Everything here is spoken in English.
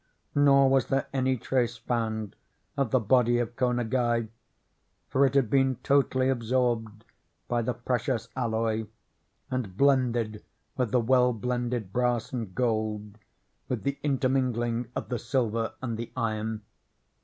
Nor was there any trace found of the body of Ko Ngai; for it had been totally absorbed by the precious alloy, and blended with the well blended brass and gold, with the intermingling of the silver and the iron.